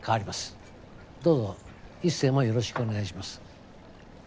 どうぞ一生もよろしくお願いします。